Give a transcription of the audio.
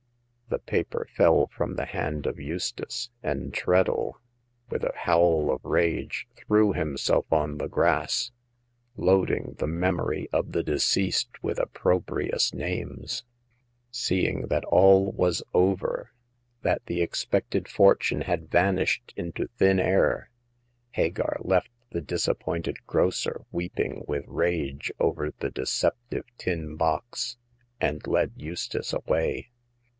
" The paper fell from the hand of Eustace, and Treadle, with a howl of rage, threw himself on the grass, loading the memoi^ oi Vw^ ^^^'^•^^^^ '60 Hagar of the Pavvn Shop. with opprobrious names. Seeing that all was over, that the expected fortune had vanished into thin air, Hagar left the disappointed grocer weeping with rage over the deceptive tin box, and led Eustace away.